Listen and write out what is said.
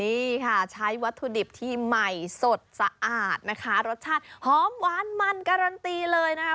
นี่ค่ะใช้วัตถุดิบที่ใหม่สดสะอาดนะคะรสชาติหอมหวานมันการันตีเลยนะคะ